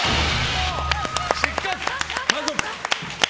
失格！